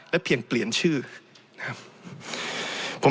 และเพียงเปลี่ยนชื่อนะครับ